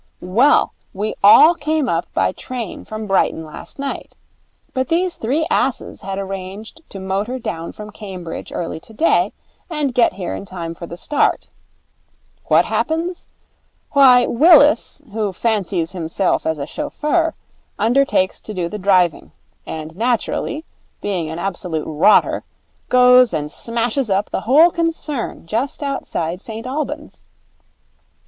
'Well, we all came up by train from Brighton last night. But these three asses had arranged to motor down from Cambridge early today, and get here in time for the start. What happens? Why, Willis, who fancies himself as a chauffeur, undertakes to do the driving; and naturally, being an absolute rotter, goes and smashes up the whole concern just outside St Albans.